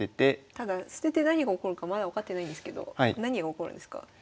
ただ捨てて何が起こるかまだ分かってないんですけど何が起こるんですか？